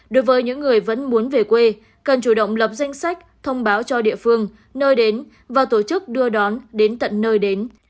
đối với những người vẫn muốn về quê cần chủ động lập danh sách thông báo cho địa phương nơi đến và tổ chức đưa đón đến tận nơi đến